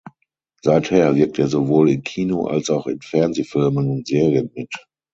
Seither wirkt er sowohl in Kino- als auch in Fernsehfilmen und -serien mit.